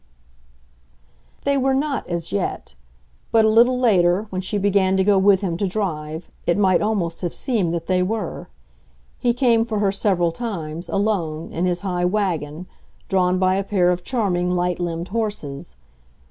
_ They were not, as yet; but a little later, when she began to go with him to drive, it might almost have seemed that they were. He came for her several times, alone, in his high "wagon," drawn by a pair of charming light limbed horses.